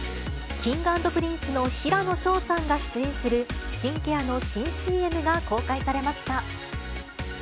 Ｋｉｎｇ＆Ｐｒｉｎｃｅの平野紫燿さんが出演する、スキンケアの新ＣＭが公開されました。